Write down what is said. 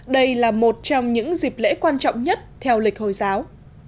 đây là một trong những dịp lễ quan trọng nhất theo lịch hồi giáo